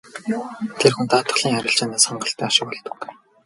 Тэр хүн даатгалын арилжаанаас хангалттай ашиг олдог.